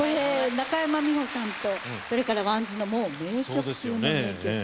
中山美穂さんとそれからＷＡＮＤＳのもう名曲中の名曲。